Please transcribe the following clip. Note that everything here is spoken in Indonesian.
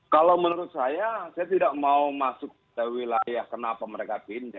kalau menurut saya saya tidak mau masuk ke wilayah kenapa mereka pindah